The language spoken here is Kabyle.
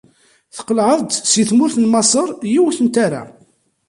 Tqelɛeḍ-d si tmurt n Maṣer yiwet n tara.